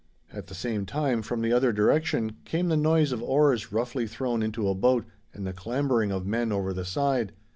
At the same time, from the other direction, came the noise of oars roughly thrown into a boat and the clambering of men over the side.